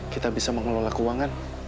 kita bisa mengelola keuangan